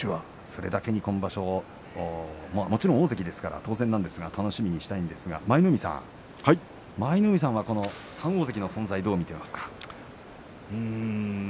それだけに今場所もちろん大関ですから当然ですけれど楽しみにしたいんですが舞の海さんは、この３大関の存在はどうですか。